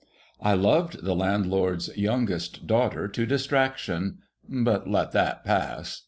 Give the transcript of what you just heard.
I loved the landlord's youngest daughter to distraction, —• but let that pass.